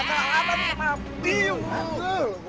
gak ada apa nih mah